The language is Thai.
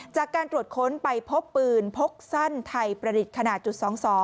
จากการตรวจค้นไปพบปืนพกสั้นไทยประดิษฐ์ขนาดจุด๒๒